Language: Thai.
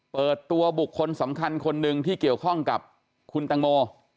เปิดตัวบุคคลสำคัญคนหนึ่งที่เกี่ยวข้องกับคุณตังโม